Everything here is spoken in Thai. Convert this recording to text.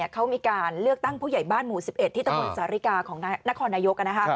เขามีการเลือกตั้งผู้ใหญ่บ้านหมู่๑๑ที่ตะบนสาริกาของนครนายก